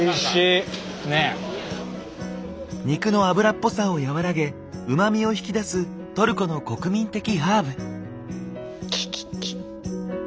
肉の脂っぽさを和らげうまみを引き出すトルコの国民的ハーブ。